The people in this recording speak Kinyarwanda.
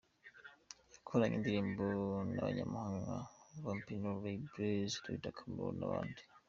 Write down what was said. gukorana indirimbo nabanyamahanga nka Vampino, Ray Blaze, Dr Chameleon nabandi.